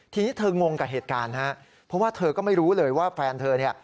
ทีนี้เธองงกับเหตุการณ์ฮะเพราะว่าเธอก็ไม่รู้เลยว่าแฟนเธอเนี่ย